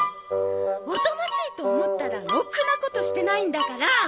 おとなしいと思ったらろくなことしてないんだから！